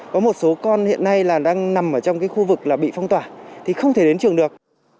có một số con hiện nay đang nằm trong khu vực bị phong tỏa thì không thể đến trường được